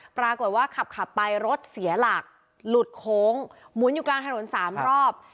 ปรากฏว่าขับไปรถเสียหลักหลุดโค้งหมุนอยู่กลางถนน๓รอบ